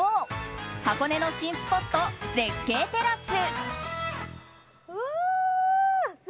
４箱根の新スポット絶景テラス。